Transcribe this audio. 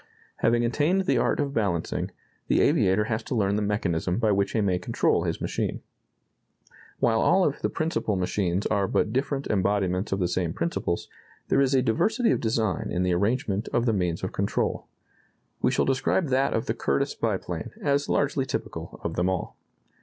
Having attained the art of balancing, the aviator has to learn the mechanism by which he may control his machine. While all of the principal machines are but different embodiments of the same principles, there is a diversity of design in the arrangement of the means of control. We shall describe that of the Curtiss biplane, as largely typical of them all.